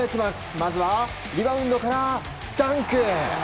まずはリバウンドからダンク！